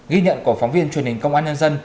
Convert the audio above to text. ghi nhận của phóng viên truyền hình công an nhân dân